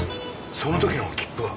その時の切符は？